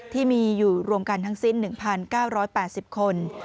ที่มีอยู่รวมกันทั้งสิ้น๑๙๘๐คน